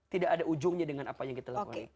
tidak ada ujungnya dengan apa yang kita lakukan